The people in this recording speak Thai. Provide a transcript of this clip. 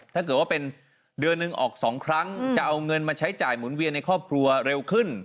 ถ้าเกิดว่าเป็นเดือนหนึ่งออก๒ครั้งจะเอาเงินมาใช้จ่ายหมุนเวียนในครอบครัวเร็วขึ้น